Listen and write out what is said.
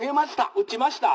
「打ちました」。